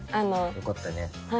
よかったよね。